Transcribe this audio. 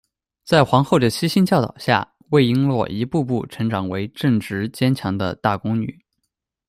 在皇后的悉心教导下，魏璎珞一步步成长为正直坚强的大宫女。